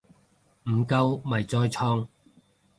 唔夠咪再創